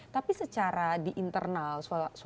tapi secara di internal